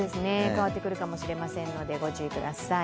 変わってくるかもしれませんのでご注意ください。